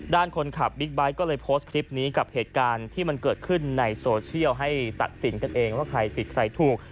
ด้านคนขับบิ๊กไบท์ก็เลยโพสต์คลิปนี้กับเหตุการณ์ที่มันเกิดขึ้นในโซเชียลให้ตัดสินกันเองว่าใครผิดใครถูก